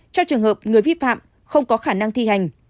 cho trường hợp người vi phạm không có khả năng thi hành